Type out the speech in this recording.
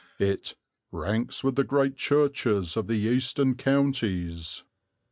It "ranks with the great churches of the Eastern Counties."